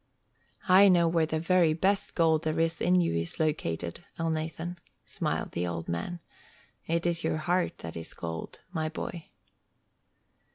"I know where the very best gold there is in you is located, Elnathan," smiled the old man. "It is your heart that is gold, my boy."